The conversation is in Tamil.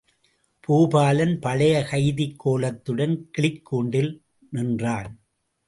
பூபாலன் பழைய கைதிக் கோலத்துடன் கிளிக் கூண்டில் நின்றான்.